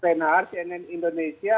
senar cnn indonesia